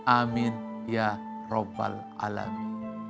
amin ya robbal alami